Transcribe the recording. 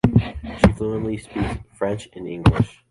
She fluently speaks French and English.